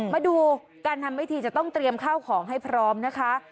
มาดูการทำวิธีจะต้องเตรียมข้าวของให้พร้อมนะคะ